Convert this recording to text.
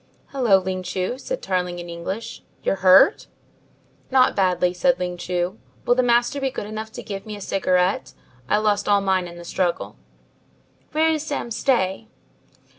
"Hello, Ling Chu," said Tarling in English, "you're hurt?" "Not badly," said Ling Chu. "Will the master be good enough to give me a cigarette? I lost all mine in the struggle." "Where is Sam Stay?"